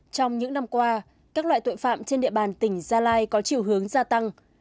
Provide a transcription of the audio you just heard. trong những năm qua các loại tội phạm trên địa bàn tỉnh gia lai có chiều hướng gia tăng